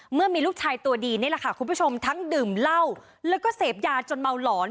เมื่อมีลูกชายตัวดีนี่แหละค่ะคุณผู้ชมทั้งดื่มเหล้าแล้วก็เสพยาจนเมาหลอน